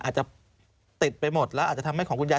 อาจจะติดไปหมดแล้วอาจจะทำให้ของคุณยาย